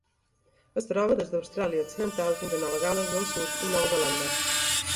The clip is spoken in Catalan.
Es troba des d'Austràlia Occidental fins a Nova Gal·les del Sud i Nova Zelanda.